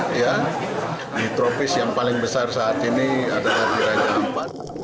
di tropis yang paling besar saat ini adalah di raja ampat